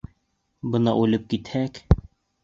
Бына үлеп китһәк...